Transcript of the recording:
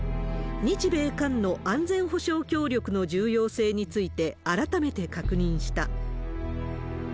日米韓の安全保障協力の重要性について、改めて確認した。